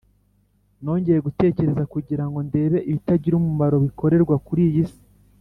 Nongeye gutekereza kugira ngo ndebe ibitagira umumaro bikorerwa kuri iyi si